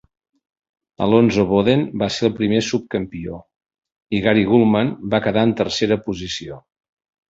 Alonzo Bodden va ser el primer subcampió i Gary Gulman va quedar en tercera posició.